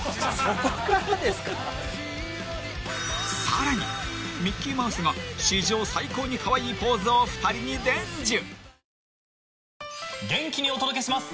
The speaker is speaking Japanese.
［さらにミッキーマウスが史上最高にカワイイポーズを２人に伝授］